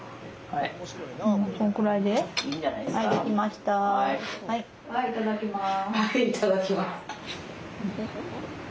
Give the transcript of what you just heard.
はいいただきます。